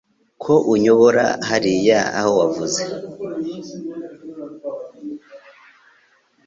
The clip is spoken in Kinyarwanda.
ko unyobora hariya aho wavuze